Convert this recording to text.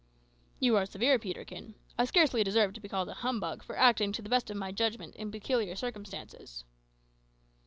"You are severe, Peterkin. I scarcely deserve to be called a humbug for acting to the best of my judgment in peculiar circumstances."